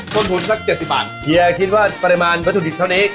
ควรคุณสักเจ็บสี่บาทคุยอาทิตย์ว่าประมาณแล้ว